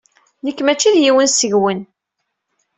Nekk maci d yiwen seg-wen.